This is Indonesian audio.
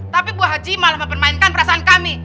tapi buah haji malah mempermainkan perasaan kami